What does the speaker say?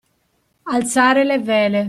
Alzare le vele.